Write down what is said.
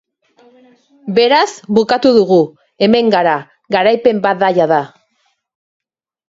Beraz, bukatu dugu, hemen gara, garaipen bat da jada.